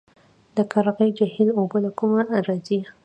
د قرغې جهیل اوبه له کومه راځي؟